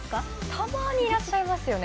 たまにいらっしゃいますよね。